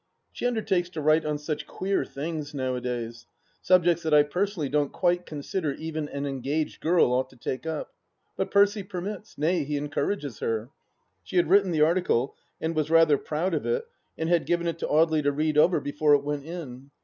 She undertakes to write on such queer things nowadays — subjects that I personally don't quite consider even an engaged girl ought to take up. But Percy permits — nay, he encour ages her. She had written the article and was rather proud of it, and had given it to Audely to read over before it went in.